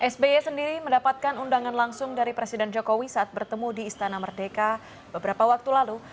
sby sendiri mendapatkan undangan langsung dari presiden jokowi saat bertemu di istana merdeka beberapa waktu lalu